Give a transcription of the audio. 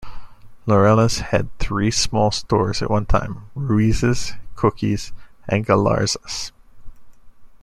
Laureles had three small stores at one time, Ruiz's, Cookies, and Galarza's.